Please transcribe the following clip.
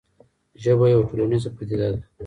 ژبه یوه ټولنیزه پدیده ده.